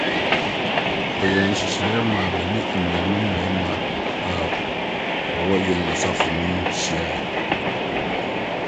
Ɔyɛɛ nhyehyɛe maa me ne anuanom mmarima a wɔwɔ yɛn asafo mu no hyiae.